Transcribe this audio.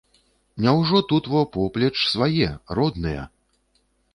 Няўжо тут во, поплеч, свае, родныя?